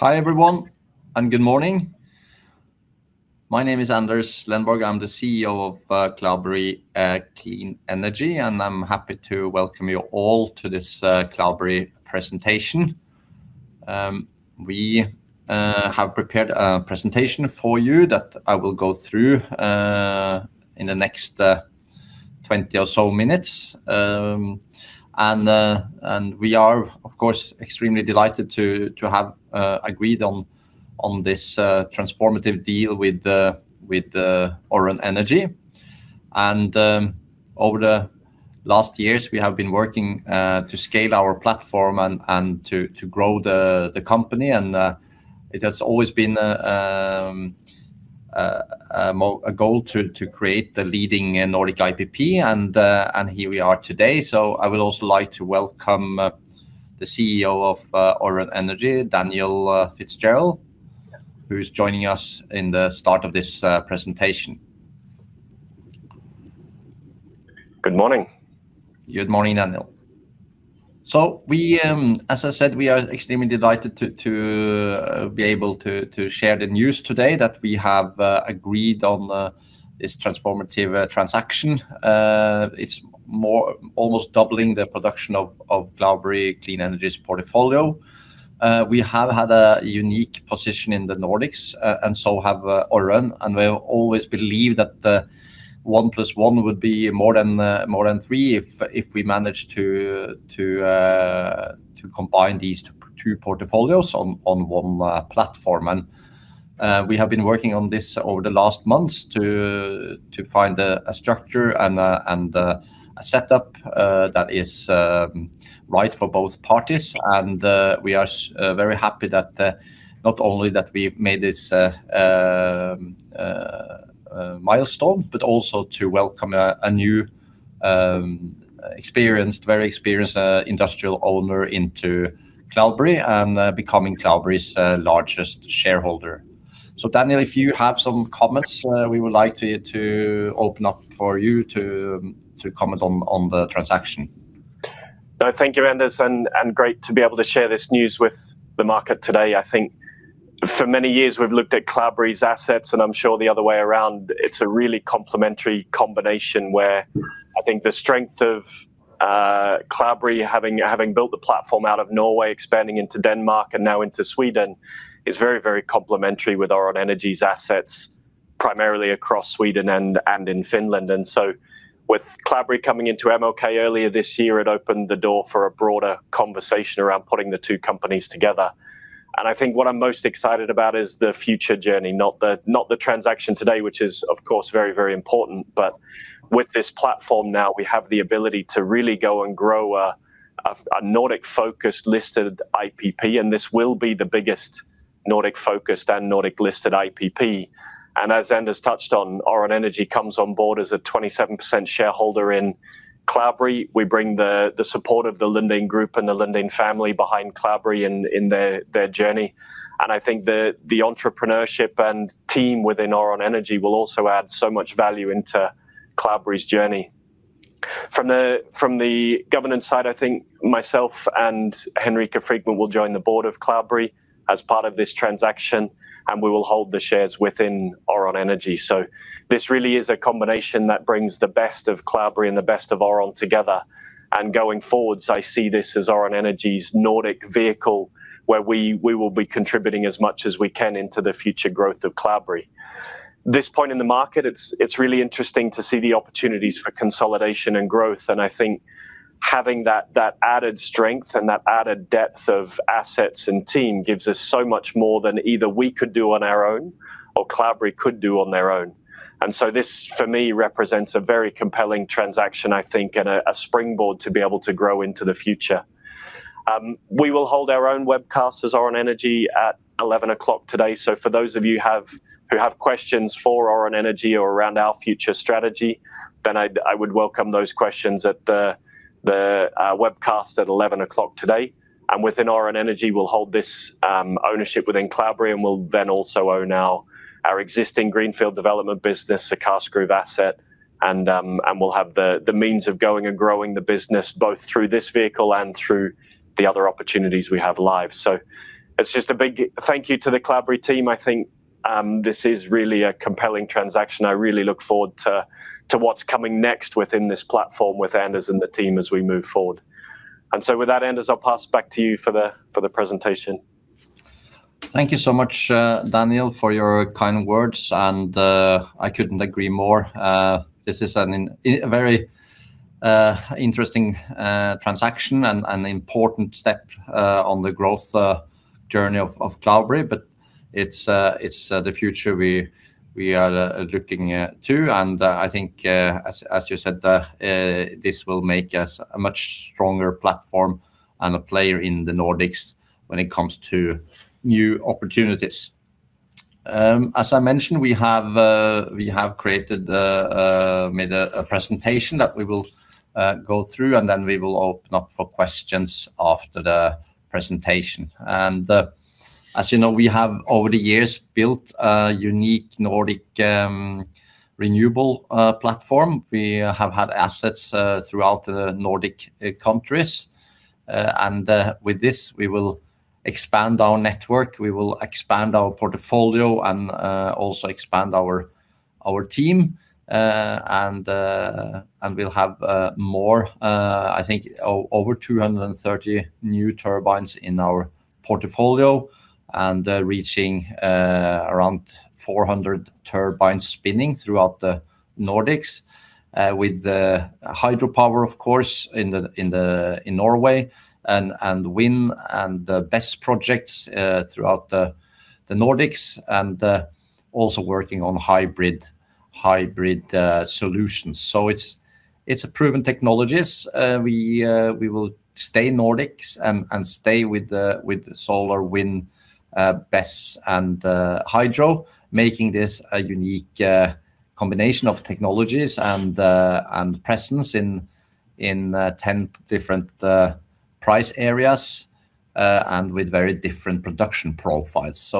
Hi, everyone, and good morning. My name is Anders Lenborg. I'm the CEO of Cloudberry Clean Energy, and I'm happy to welcome you all to this Cloudberry presentation. We have prepared a presentation for you that I will go through in the next 20 or so minutes. We are, of course, extremely delighted to have agreed on this transformative deal with Orrön Energy. Over the last years, we have been working to scale our platform and to grow the company. It has always been a goal to create the leading Nordic IPP, and here we are today. I would also like to welcome the CEO of Orrön Energy, Daniel Fitzgerald, who is joining us in the start of this presentation. Good morning. Good morning, Daniel. As I said, we are extremely delighted to be able to share the news today that we have agreed on this transformative transaction. It's almost doubling the production of Cloudberry Clean Energy's portfolio. We have had a unique position in the Nordics, and so have Orrön, and we have always believed that one plus one would be more than three if we managed to combine these two portfolios on one platform. We have been working on this over the last months to find a structure and a setup that is right for both parties. We are very happy that not only that we made this milestone, but also to welcome a new, very experienced industrial owner into Cloudberry and becoming Cloudberry's largest shareholder. Daniel, if you have some comments, we would like to open up for you to comment on the transaction. Thank you, Anders, and great to be able to share this news with the market today. I think for many years, we've looked at Cloudberry's assets, and I'm sure the other way around, it's a really complementary combination, where I think the strength of Cloudberry, having built the platform out of Norway, expanding into Denmark and now into Sweden, is very, very complementary with Orrön Energy's assets, primarily across Sweden and in Finland. With Cloudberry coming into MLK earlier this year, it opened the door for a broader conversation around putting the two companies together. I think what I'm most excited about is the future journey, not the transaction today, which is, of course, very, very important. With this platform now, we have the ability to really go and grow a Nordic-focused, listed IPP, and this will be the biggest Nordic-focused and Nordic-listed IPP. As Anders touched on, Orrön Energy comes on board as a 27% shareholder in Cloudberry. We bring the support of the Lundin Group and the Lundin family behind Cloudberry in their journey. I think the entrepreneurship and team within Orrön Energy will also add so much value into Cloudberry's journey. From the governance side, I think myself and Henrika Frykman will join the Board of Cloudberry as part of this transaction, and we will hold the shares within Orrön Energy. This really is a combination that brings the best of Cloudberry and the best of Orrön together. Going forwards, I see this as Orrön Energy's Nordic vehicle, where we will be contributing as much as we can into the future growth of Cloudberry. This point in the market, it's really interesting to see the opportunities for consolidation and growth. I think having that added strength and that added depth of assets and team gives us so much more than either we could do on our own or Cloudberry could do on their own. This, for me, represents a very compelling transaction, I think, and a springboard to be able to grow into the future. We will hold our own webcast as Orrön Energy at 11:00 A.M. today. For those of you who have questions for Orrön Energy or around our future strategy, then I would welcome those questions at the webcast at 11:00 A.M. today. Within Orrön Energy, we'll hold this ownership within Cloudberry, and we'll then also own our existing greenfield development business, the Karskruv asset, and we'll have the means of going and growing the business, both through this vehicle and through the other opportunities we have live. It's just a big thank you to the Cloudberry team. I think this is really a compelling transaction. I really look forward to what's coming next within this platform with Anders and the team as we move forward. With that, Anders, I'll pass back to you for the presentation. Thank you so much, Daniel, for your kind words, and I couldn't agree more. This is a very interesting transaction and an important step on the growth journey of Cloudberry. It's the future we are looking to, and I think, as you said, this will make us a much stronger platform and a player in the Nordics when it comes to new opportunities. As I mentioned, we have made a presentation that we will go through, then we will open up for questions after the presentation. As you know, we have, over the years, built a unique Nordic renewable platform. We have had assets throughout the Nordic countries. With this, we will expand our network, we will expand our portfolio, and also expand our team. We'll have more, I think over 230 new turbines in our portfolio, reaching around 400 turbines spinning throughout the Nordics. With the hydropower, of course, in Norway, wind, and the BESS projects throughout the Nordics, also working on hybrid solutions. It's a proven technologies. We will stay Nordics and stay with the solar, wind, BESS, and hydro, making this a unique combination of technologies and presence in 10 different price areas, with very different production profiles.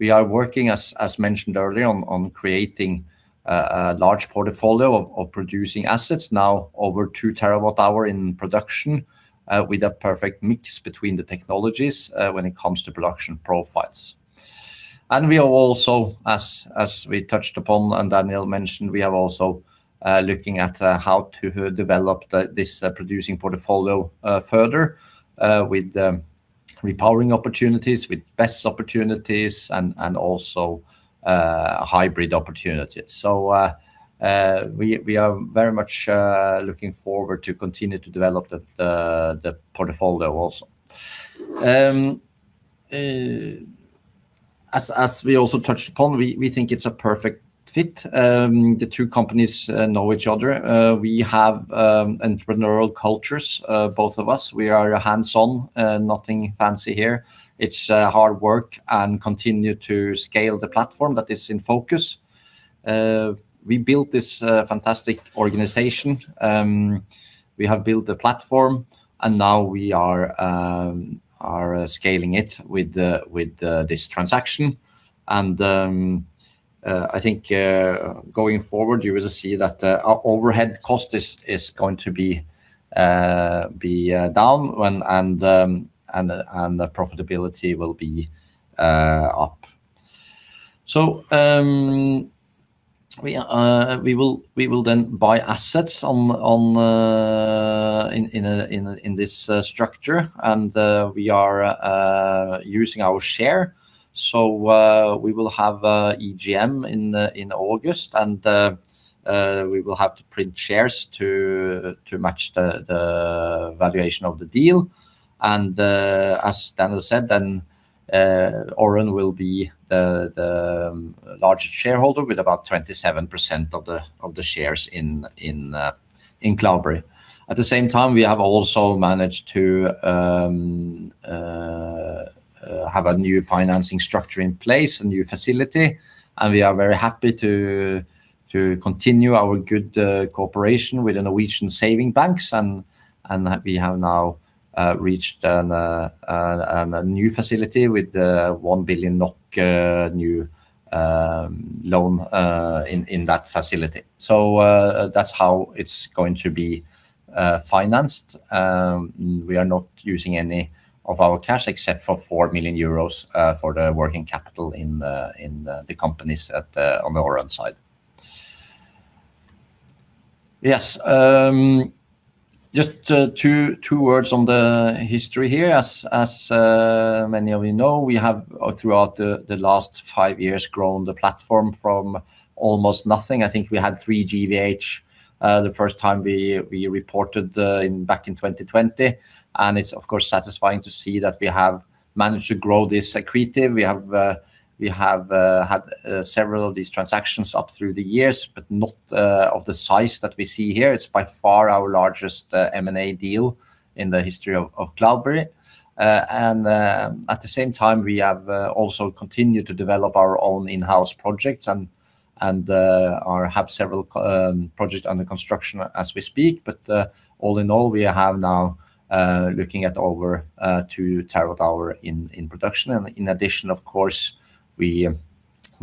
We are working, as mentioned earlier, on creating a large portfolio of producing assets, now over 2 TWh in production, with a perfect mix between the technologies when it comes to production profiles. We are also, as we touched upon and Daniel mentioned, looking at how to develop this producing portfolio further with repowering opportunities, with BESS opportunities, and also hybrid opportunities. We are very much looking forward to continue to develop the portfolio also. As we also touched upon, we think it's a perfect fit. The two companies know each other. We have entrepreneurial cultures, both of us. We are hands-on. Nothing fancy here. It's hard work and continue to scale the platform that is in focus. We built this fantastic organization. We have built the platform, and now we are scaling it with this transaction. I think going forward, you will see that our overhead cost is going to be down, and the profitability will be up. We will then buy assets in this structure, and we are using our share. We will have EGM in August, and we will have to print shares to match the valuation of the deal. As Daniel said, Orrön will be the largest shareholder with about 27% of the shares in Cloudberry. At the same time, we have also managed to have a new financing structure in place, a new facility, and we are very happy to continue our good cooperation with the Norwegian saving banks. We have now reached a new facility with 1 billion NOK new loan in that facility. That's how it's going to be financed. We are not using any of our cash except for 4 million euros for the working capital in the companies on the Orrön side. Yes. Just two words on the history here. As many of you know, we have, throughout the last five years, grown the platform from almost nothing. I think we had 3 GWh the first time we reported back in 2020. It's of course, satisfying to see that we have managed to grow this accretive. We have had several of these transactions up through the years, but not of the size that we see here. It's by far our largest M&A deal in the history of Cloudberry. At the same time, we have also continued to develop our own in-house projects and have several projects under construction as we speak. All-in-all, we have now looking at over 2 TWh in production. In addition, of course, we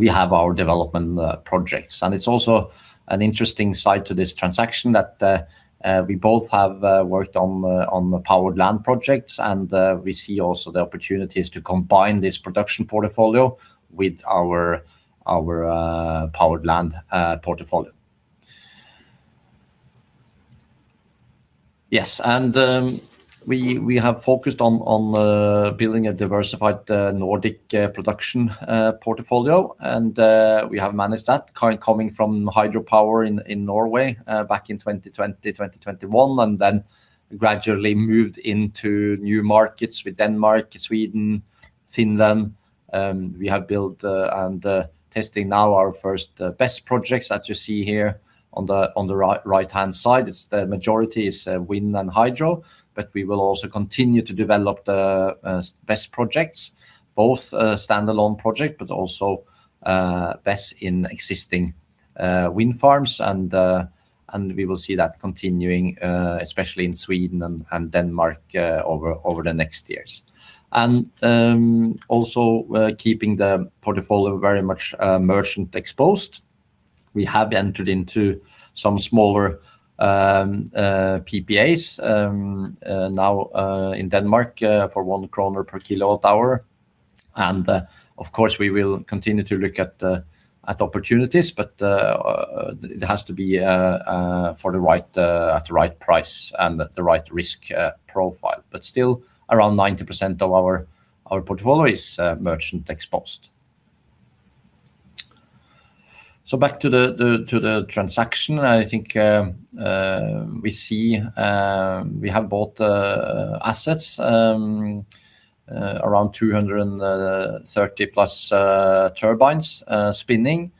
have our development projects. It's also an interesting side to this transaction that we both have worked on the powered land projects, and we see also the opportunities to combine this production portfolio with our powered land portfolio. Yes. We have focused on building a diversified Nordic production portfolio, and we have managed that. Coming from hydropower in Norway back in 2020-2021, then gradually moved into new markets with Denmark, Sweden, Finland. We have built and testing now our first BESS projects that you see here on the right-hand side. The majority is wind and hydro, but we will also continue to develop the BESS projects, both standalone project but also BESS in existing wind farms, and we will see that continuing, especially in Sweden and Denmark over the next years. Also keeping the portfolio very much merchant exposed. Of course, we have entered into some smaller PPAs now in Denmark for 1 kroner per kilowatt-hour We will continue to look at opportunities, but it has to be at the right price and the right risk profile. Still, around 90% of our portfolio is merchant exposed. Back to the transaction. I think we see we have bought assets, around 230+ turbines spinning.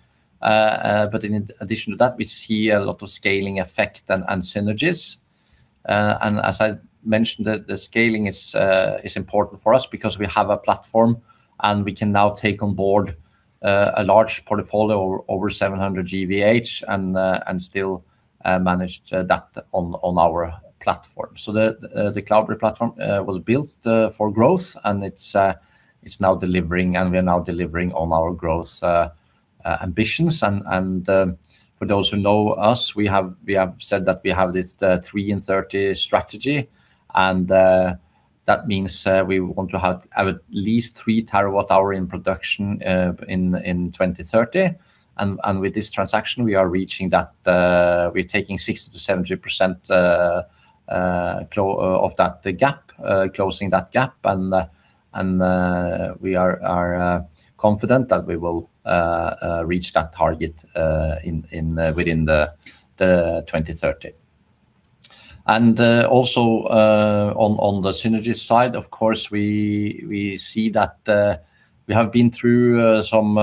In addition to that, we see a lot of scaling effect and synergies. As I mentioned, the scaling is important for us because we have a platform, and we can now take on board a large portfolio over 700 GWh and still manage that on our platform. The Cloudberry platform was built for growth, and it is now delivering, and we are now delivering on our growth ambitions. For those who know us, we have said that we have this 3 in 30 strategy, and that means we want to have at least 3 TWh in production in 2030. With this transaction, we are reaching that. We are taking 60%-70% of that gap, closing that gap. We are confident that we will reach that target within the 2030. Also, on the synergy side, of course, we see that we have been through some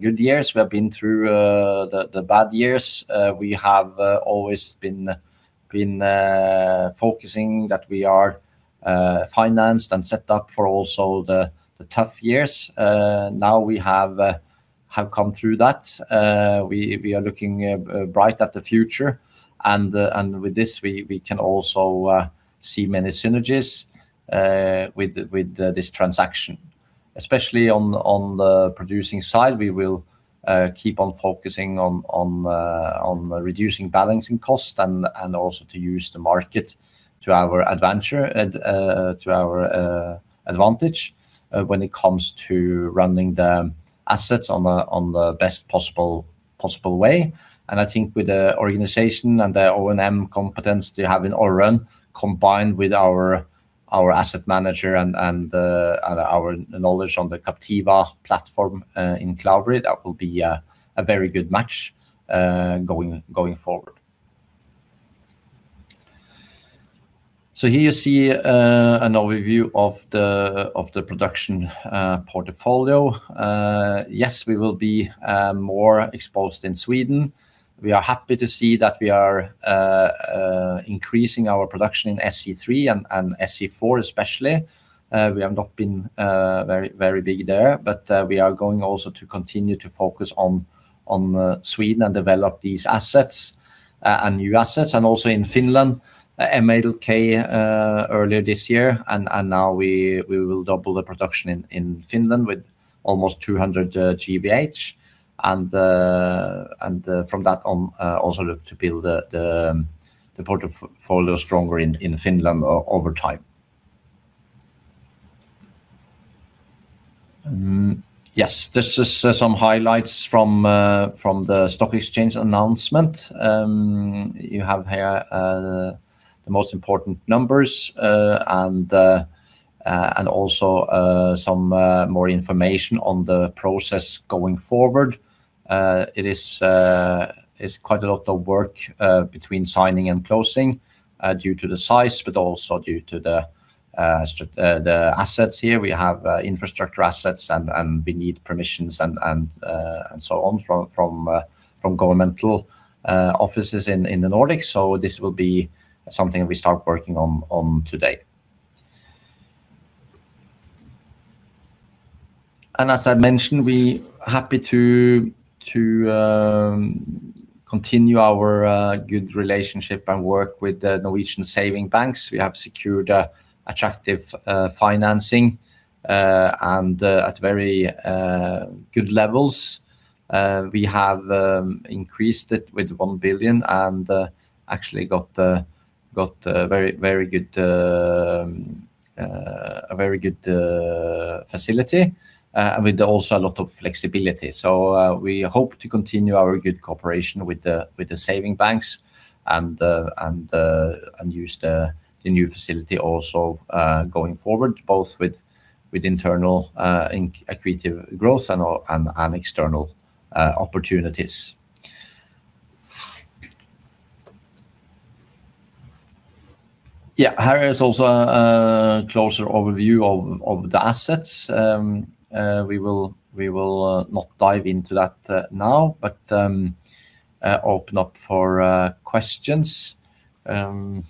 good years. We have been through the bad years. We have always been focusing that we are financed and set up for also the tough years. Now we have come through that. We are looking bright at the future, and with this, we can also see many synergies with this transaction. Especially on the producing side, we will keep on focusing on reducing balancing costs and also to use the market to our advantage when it comes to running the assets on the best possible way. I think with the organization and the O&M competence they have in Orrön, combined with our asset manager and our knowledge on the Captiva platform in Cloudberry, that will be a very good match going forward. Here you see an overview of the production portfolio. We will be more exposed in Sweden. We are happy to see that we are increasing our production in SE3 and SE4 especially. We have not been very big there, but we are going also to continue to focus on Sweden and develop these assets and new assets. Also in Finland, MLK earlier this year, now we will double the production in Finland with almost 200 GWh. From that on, also look to build the portfolio stronger in Finland over time. This is some highlights from the stock exchange announcement. You have here the most important numbers and also some more information on the process going forward. It is quite a lot of work between signing and closing due to the size, but also due to the assets here. We have infrastructure assets, we need permissions and so on from governmental offices in the Nordics. This will be something we start working on today. As I mentioned, we are happy to continue our good relationship and work with the Norwegian saving banks. We have secured attractive financing and at very good levels. We have increased it with 1 billion and actually got a very good facility, with also a lot of flexibility. We hope to continue our good cooperation with the saving banks and use the new facility also going forward, both with internal equity growth and external opportunities. Here is also a closer overview of the assets. We will not dive into that now, but open up for questions. Thank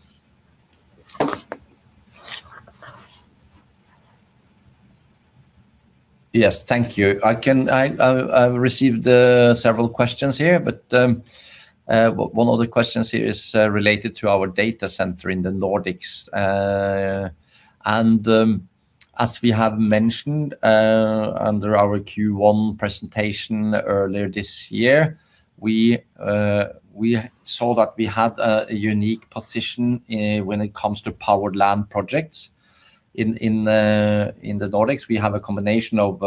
you. I received several questions here, but one of the questions here is related to our data center in the Nordics. As we have mentioned under our Q1 presentation earlier this year, we saw that we had a unique position when it comes to powered land projects. In the Nordics, we have a combination of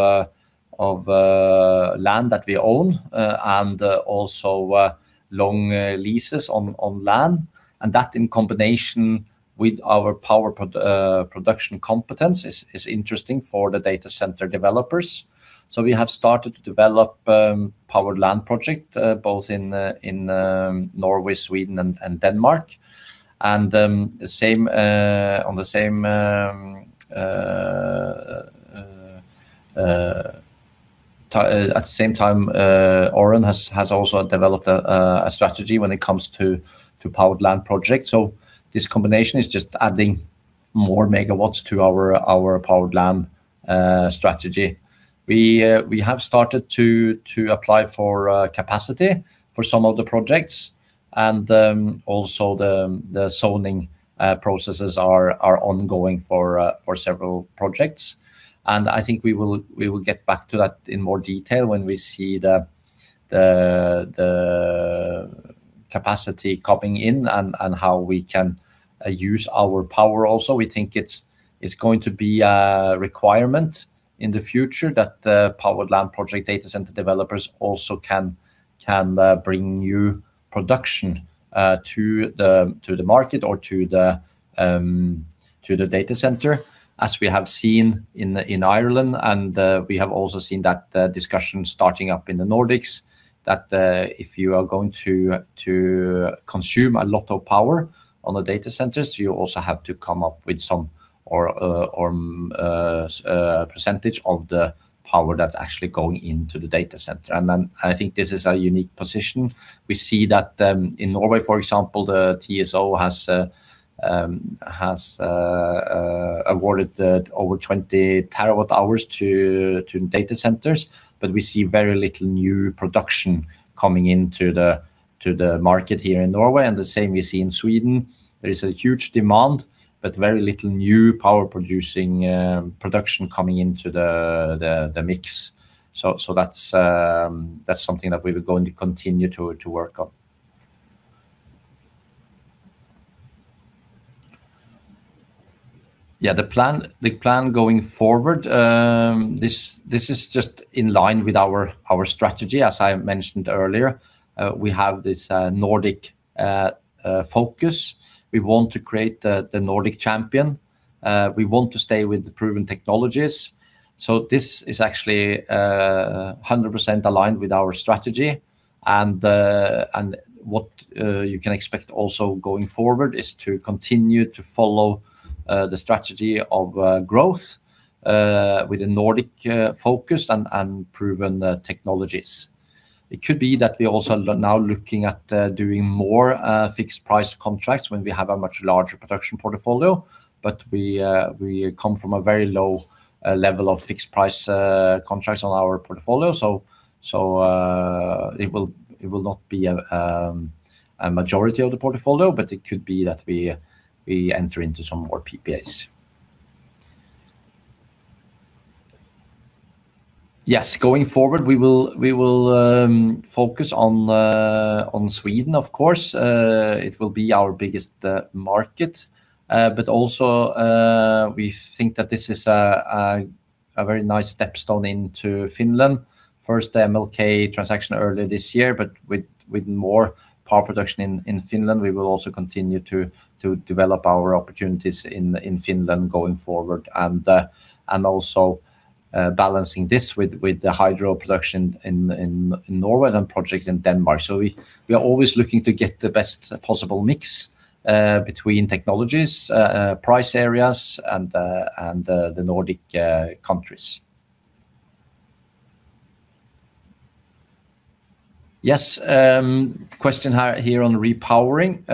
land that we own and also long leases on land. That in combination with our power production competence is interesting for the data center developers. We have started to develop a powered land project both in Norway, Sweden, and Denmark. At the same time, Orrön has also developed a strategy when it comes to powered land projects. This combination is just adding more megawatts to our powered land strategy. We have started to apply for capacity for some of the projects. Also the zoning processes are ongoing for several projects. I think we will get back to that in more detail when we see the capacity coming in and how we can use our power also. We think it's going to be a requirement in the future that the powered land project data center developers also can bring new production to the market or to the data center, as we have seen in Ireland. We have also seen that discussion starting up in the Nordics, that if you are going to consume a lot of power on the data centers, you also have to come up with some percentage of the power that's actually going into the data center. I think this is a unique position. We see that in Norway, for example, the TSO has awarded over 20 TWh to data centers. We see very little new production coming into the market here in Norway, and the same we see in Sweden. There is a huge demand, but very little new power-producing production coming into the mix. That's something that we are going to continue to work on. The plan going forward, this is just in line with our strategy, as I mentioned earlier. We have this Nordic focus. We want to create the Nordic champion. We want to stay with the proven technologies. This is actually 100% aligned with our strategy. What you can expect also going forward is to continue to follow the strategy of growth with a Nordic focus and proven technologies. It could be that we are also now looking at doing more fixed price contracts when we have a much larger production portfolio. We come from a very low level of fixed price contracts on our portfolio. It will not be a majority of the portfolio, but it could be that we enter into some more PPAs. Going forward, we will focus on Sweden, of course. It will be our biggest market. Also, we think that this is a very nice step stone into Finland. First, the MLK transaction earlier this year, but with more power production in Finland, we will also continue to develop our opportunities in Finland going forward. Also balancing this with the hydro production in Norway and projects in Denmark. We are always looking to get the best possible mix between technologies, price areas, and the Nordic countries. Question here on repowering.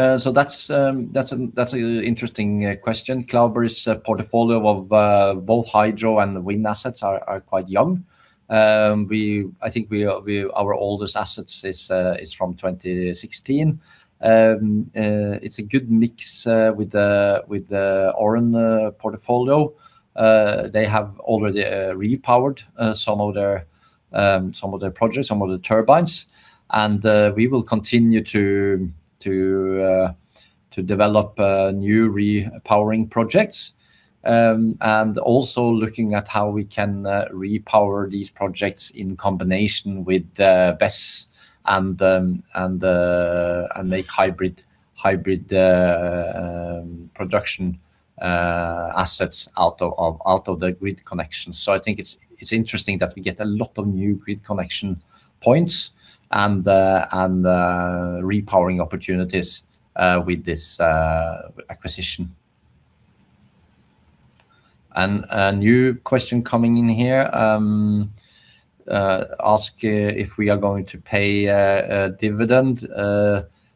That's an interesting question. Cloudberry's portfolio of both hydro and wind assets are quite young. I think our oldest asset is from 2016. It's a good mix with the Orrön portfolio. They have already repowered some of their projects, some of the turbines. We will continue to develop new repowering projects. Also looking at how we can repower these projects in combination with the BESS and make hybrid production assets out of the grid connection. I think it's interesting that we get a lot of new grid connection points and repowering opportunities with this acquisition. A new question coming in here, ask if we are going to pay a dividend.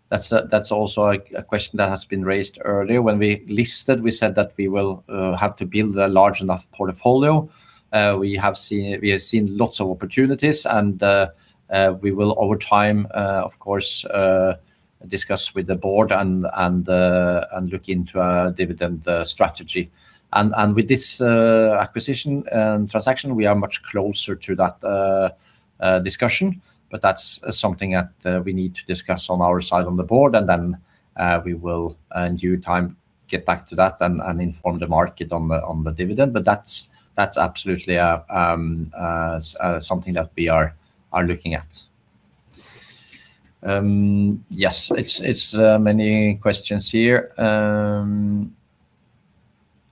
That's also a question that has been raised earlier. When we listed, we said that we will have to build a large enough portfolio. We have seen lots of opportunities, and we will over time, of course, and discuss with the Board and look into our dividend strategy. With this acquisition and transaction, we are much closer to that discussion. That's something that we need to discuss on our side on the board, and then we will, in due time, get back to that and inform the market on the dividend. That's absolutely something that we are looking at. It's many questions here.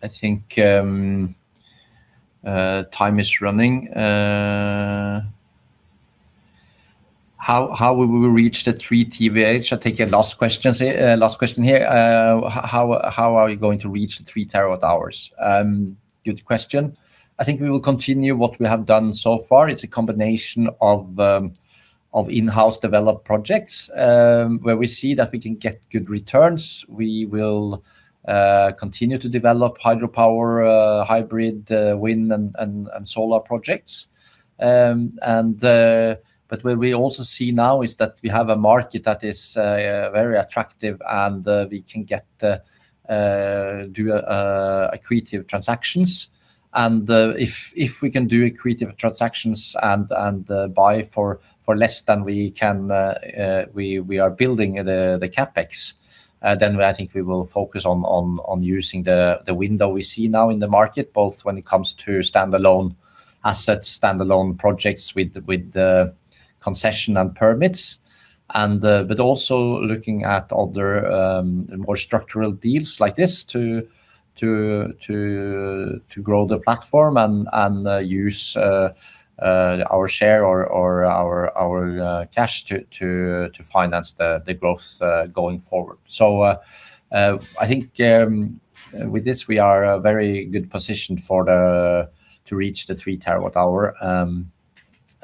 I think time is running. How will we reach the 3 TWh? I take a last question here. How are you going to reach 3 TWh? Good question. I think we will continue what we have done so far. It's a combination of in-house developed projects, where we see that we can get good returns. We will continue to develop hydropower, hybrid, wind, and solar projects. What we also see now is that we have a market that is very attractive, and we can do accretive transactions. If we can do accretive transactions and buy for less than we are building the CapEx, I think we will focus on using the window we see now in the market, both when it comes to standalone assets, standalone projects with the concession and permits. Also looking at other more structural deals like this to grow the platform and use our share or our cash to finance the growth going forward. I think with this, we are very good positioned to reach the 3 TWh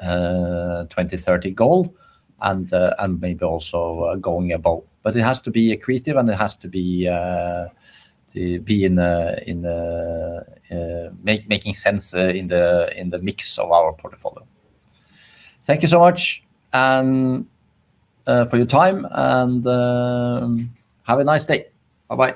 2030 goal, and maybe also going above. It has to be accretive, and it has to be making sense in the mix of our portfolio. Thank you so much for your time, and have a nice day. Bye-bye.